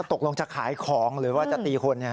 ตกลงจะขายของหรือว่าจะตีคน